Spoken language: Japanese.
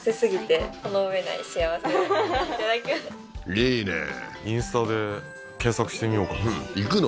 いいねインスタで検索してみようかな行くの？